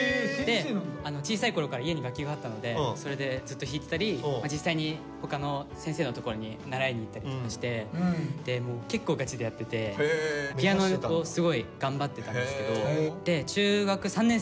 小さいころから家に楽器があったのでそれでずっと弾いてたり実際に他の先生の所に習いに行ったりとかして結構ガチでやってて正直心の中に何かまだ。